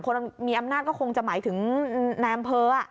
คนมีอำนาจก็คงจะหมายถึงแนมเพ้อ